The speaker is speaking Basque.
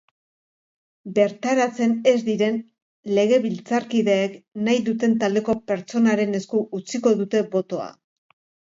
Bertaratzen ez diren legebiltzarkideek nahi duten taldeko pertsonaren esku utziko dute botoa.